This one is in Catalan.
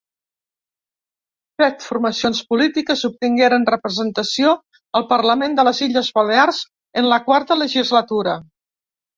Set formacions polítiques obtingueren representació al Parlament de les Illes Balears en la Quarta Legislatura.